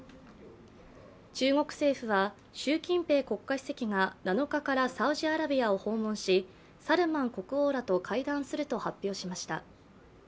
中国政府は習近平国家主席が７日からサウジアラビアを訪問し、サルマン国王らと会談すると発表しました。